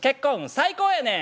最高やねん！」。